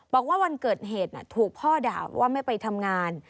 บอกว่าวันเกิดเหตุถูกพ่อด่าว่าไม่ไปทำงาน